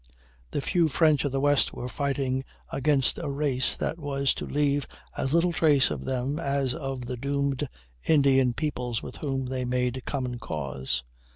The few French of the West were fighting against a race that was to leave as little trace of them as of the doomed Indian peoples with whom they made common cause.